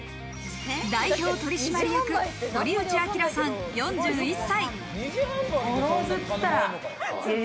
代表取締役、堀内章さん４１歳。